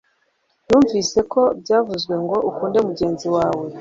mwumvise ko byavuzwe ngo ukunde mugenzi wawe